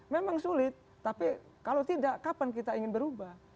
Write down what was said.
memang sulit tapi kalau tidak kapan kita ingin berubah